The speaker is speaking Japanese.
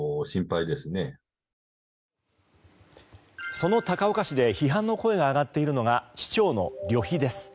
その高岡市で批判の声が上がっているのが市長の旅費です。